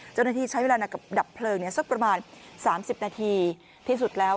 เจ้าหน้าที่ใช้เวลากับดับเพลิงสักประมาณ๓๐นาทีที่สุดแล้ว